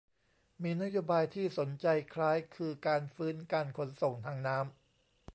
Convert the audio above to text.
มีนโยบายที่สนใจคล้าย คือ การฟื้นการขนส่งทางน้ำ